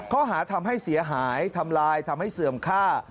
ข้อหาทำให้เสียหายทำลายทำให้เสื่อมค่า